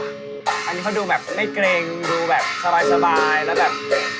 อันนี้เขาดูแบบไม่เกรงดูแบบสบายแล้วแบบ